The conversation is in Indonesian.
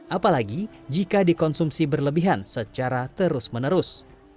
apalagi jika dikonsumsi berlebihan secara terus menerus